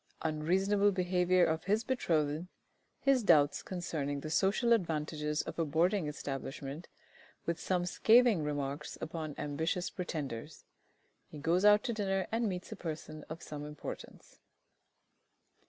Unreasonable behaviour of his betrothed. His doubts concerning the social advantages of a Boarding Establishment, with some scathing remarks upon ambitious pretenders. He goes out to dinner, and meets a person of some importance.